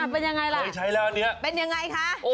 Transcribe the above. เป็นยังไงค่ะ